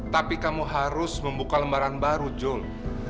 tapi kamu harus membuka lembaran baru juli